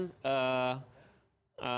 kita akan mencoba